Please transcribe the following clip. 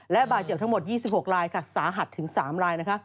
และบาดเจ็บทั้งหมด๒๖รายค่ะสาหัสถึง๓ลายนะคะ